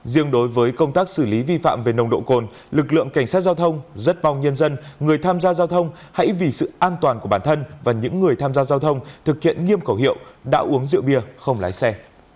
riêng đối với công tác xử lý vi phạm về nồng độ cồn lực lượng cảnh sát giao thông rất mong nhân dân người tham gia giao thông hãy vì sự an toàn của bản thân và những người tham gia giao thông thực hiện nghiêm khẩu hiệu đã uống rượu bia không lái xe